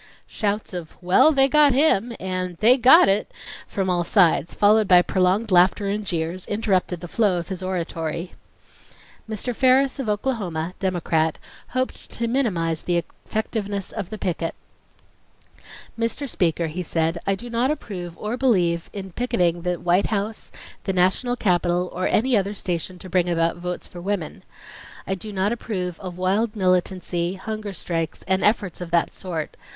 Shouts of "Well, they got him!" and "They got it!" from all sides, followed by prolonged laughter and jeers, interrupted the flow of his oratory. Mr. Ferris of Oklahoma, Democrat, hoped to minimize the effectiveness of the picket. "Mr. Speaker," he said, "I do not approve or believe in picketing the White House, the National Capitol, or any other station to bring about votes for women. I do not approve of wild militancy, hunger strikes, and efforts of that sort.